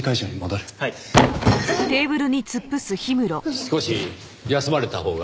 少し休まれたほうが。